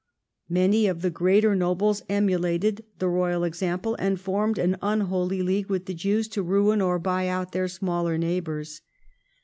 Many of the greater nobles emulated the royal example, and formed an unholy league with the Jews to ruin or buy out their smaller neighbours.